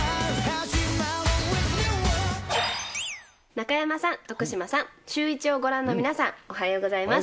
中山さん、徳島さん、シューイチをご覧の皆さん、おはようございます。